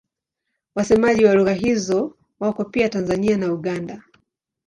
Wasemaji wa lugha hizo wako pia Tanzania na Uganda.